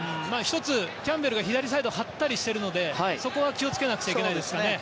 １つ、キャンベルが左サイドを張ったりしているのでそこは気をつけなくちゃいけないですね。